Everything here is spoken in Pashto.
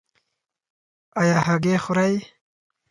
ایا هګۍ خورئ؟